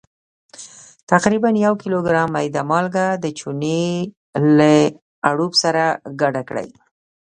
تقریبا یو کیلوګرام میده مالګه د چونې له اړوب سره ګډه کړئ.